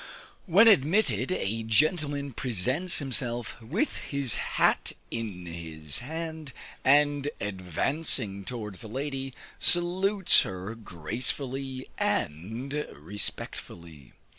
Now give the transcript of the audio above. When admitted, a gentleman presents himself with his hat in his hand, and advancing towards the lady, salutes her gracefully and respectfully.